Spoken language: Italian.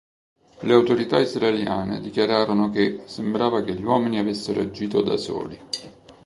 Le autorità israeliane dichiararono che "sembrava che gli uomini avessero agito da soli".